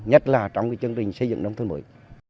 nhất là trong chương trình xây dựng nông thôn mới